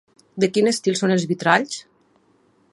De quin estil són els vitralls?